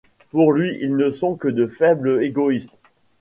Pour lui, ils ne sont que de faibles égoïstes.